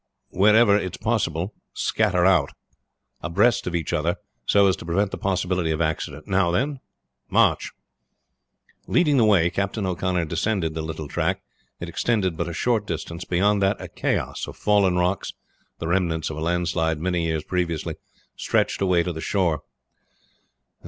Wherever it is possible scatter out abreast of each other, so as to prevent the possibility of accident. Now, then, march!" Leading the way, Captain O'Connor descended the little track. It extended but a short distance. Beyond that a chaos of fallen rocks the remains of a landslip many years previously stretched away to the shore.